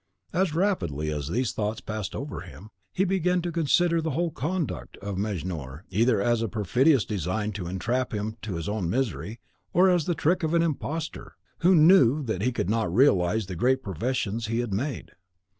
As rapidly these thoughts passed over him, he began to consider the whole conduct of Mejnour either as a perfidious design to entrap him to his own misery, or as the trick of an imposter, who knew that he could not realise the great professions he had made.